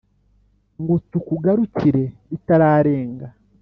ngo tukugarukire ritararenga